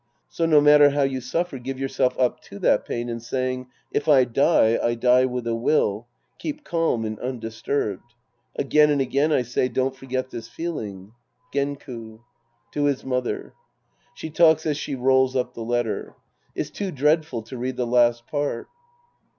So no matter how you suffer, give yourself up to that pain and, saying, " If I die, I die with a will," keep calm and undisturbed. Again and again I say, don't forget this feeling. Genku. To his mother. {She talks as she rolls up the letter^ It's too dreadful to read the last part.